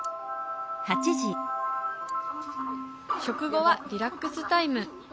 食後はリラックスタイム。